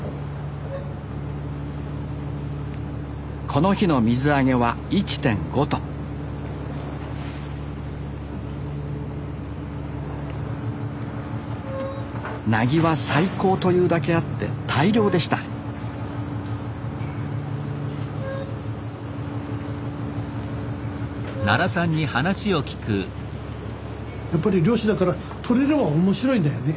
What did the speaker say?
この日の水揚げは１．５ｔなぎは最高というだけあって大量でしたやっぱり漁師だから取れれば面白いんだよね。